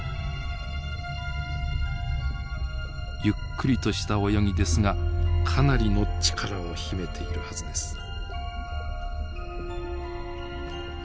ゆっくりとした泳ぎですがかなりの力を秘めているはずです。